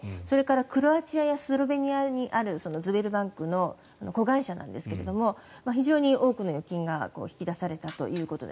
それからクロアチアやスロベニアにあるズベルバンクの子会社なんですが非常に大きくの預金が引き出されたと。